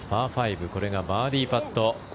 ５これがバーディーパット。